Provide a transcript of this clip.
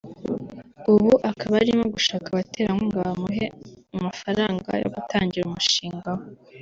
ubu akaba arimo gushaka abaterankunga bamuhe amafaranga yo gutangira umushinga we